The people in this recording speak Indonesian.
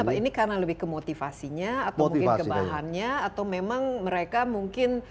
kenapa ini karena lebih kemotivasinya atau mungkin kebahannya atau memang mereka mungkin